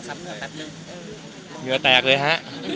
เหนือแตกเลยฮะ